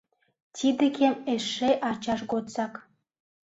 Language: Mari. Тиде кем эше ачаж годсак.